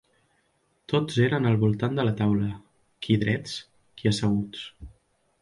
Tots eren al voltant de la taula, qui drets, qui asseguts.